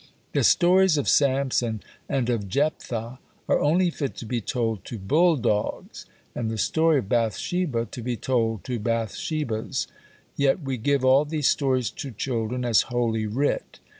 The stories of Samson and of Jephthah are only fit to be told to bull dogs; and the story of Bathsheba, to be told to Bathshebas. Yet we give all these stories to children as "Holy Writ."